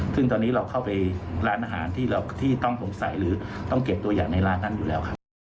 ซึ่งตอนนี้เราเข้าไปร้านอาหารที่ต้องสงสัยหรือต้องเก็บตัวอย่างในร้านนั้นอยู่แล้วครับ